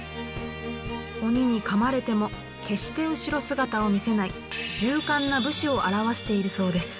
鬼にかまれても決して後ろ姿を見せない勇敢な武士を表しているそうです。